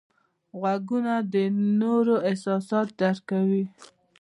غوږونه د نورو احساسات درک کوي